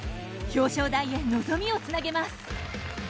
表彰台へ望みをつなげます。